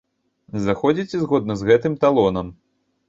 Заходзіце згодна з гэтым талонам.